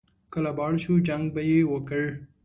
کله به اړ شو، جنګ به یې وکړ.